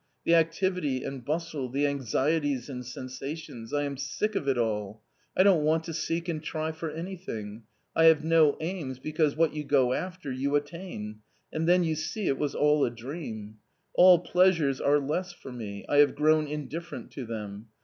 The activity and bustle, the anxieties and sensations, I am sick of it all. I don't want to seek and try for anything : I have no aims, because what you go after, you attain — and then you see it was all a dream. All pleasures are less for me ; I have grown indifferent to them.